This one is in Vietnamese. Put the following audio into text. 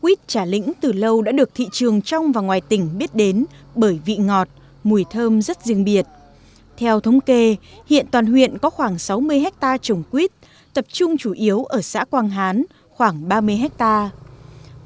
quýt trà lĩnh từ lâu đã được thị trường trong và ngoài tỉnh biết đến bởi vị ngọt mùi thơm rất riêng biệt theo thống kê hiện toàn huyện có khoảng sáu mươi hectare trồng quýt tập trung chủ yếu ở xã quang hán khoảng ba mươi hectare